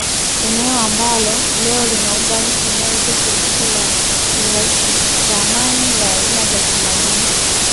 eneo ambalo leo linaunda nchi inayoitwa Shirikisho la UrusiRamani ya aina za utamaduni